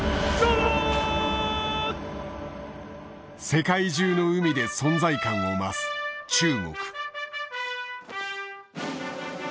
世界中の海で存在感を増す中国。